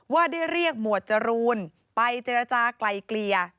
ว่าได้เรียกหมวดจรูนไปเจรจากลายเกลี่ย